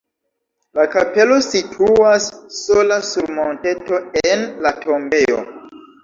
La kapelo situas sola sur monteto en la tombejo.